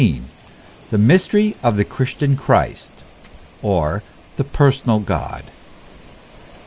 THE MYSTERY OF THE CHRISTIAN CHRIST, OR THE PERSONAL GOD.